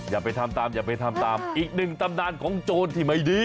อย่าไปทำตามอย่าไปทำตามอีกหนึ่งตำนานของโจรที่ไม่ดี